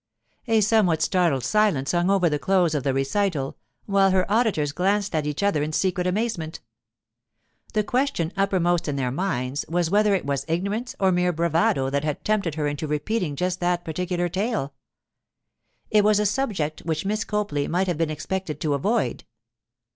A somewhat startled silence hung over the close of the recital, while her auditors glanced at each other in secret amazement. The question uppermost in their minds was whether it was ignorance or mere bravado that had tempted her into repeating just that particular tale. It was a subject which Miss Copley might have been expected to avoid.